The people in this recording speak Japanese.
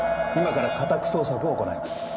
今から家宅捜索を行います。